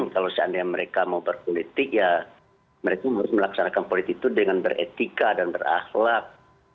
kalau seandainya mereka mau berpolitik ya mereka harus melaksanakan politik itu dengan beretika dan berakhlak